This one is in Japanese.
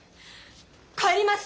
帰ります！